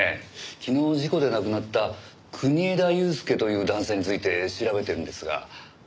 昨日事故で亡くなった国枝祐介という男性について調べてるんですが。